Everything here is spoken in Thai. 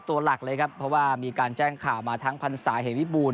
ตัวหลักเลยครับเพราะว่ามีการแจ้งข่าวมาทั้งพันศาเหวิบูรณ